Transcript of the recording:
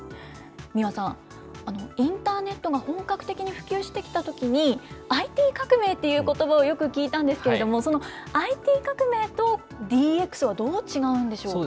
三輪さん、インターネットが本格的に普及してきたときに、ＩＴ革命ということばをよく聞いたんですけれども、そのＩＴ革命とＤＸはどう違うんでしょうか。